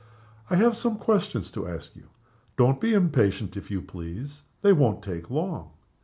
I have some questions to ask you. Don't be impatient, if you please. They won't take long."